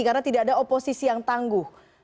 karena tidak ada oposisi yang tangguh